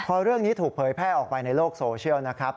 พอเรื่องนี้ถูกเผยแพร่ออกไปในโลกโซเชียลนะครับ